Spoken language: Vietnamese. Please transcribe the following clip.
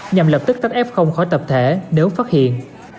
nhằm lập tức cắt f khỏi tập thể nếu phát hiện